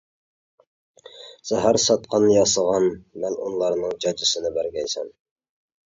زەھەر ساتقان، ياسىغان مەلئۇنلارنىڭ جاجىسىنى بەرگەيسەن!